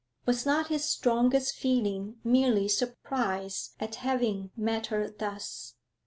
Was not his strongest feeling merely surprise at having met her thus?